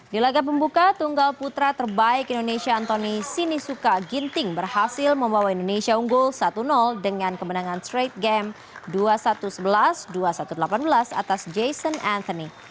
di laga pembuka tunggal putra terbaik indonesia antoni sinisuka ginting berhasil membawa indonesia unggul satu dengan kemenangan trade game dua satu sebelas dua puluh satu delapan belas atas jason anthony